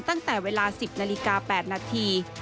ตั้งแต่เวลา๑๐นาฬิกา๘นาที